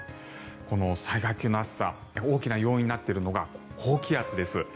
この災害級の暑さ大きな要因になっているのが高気圧です。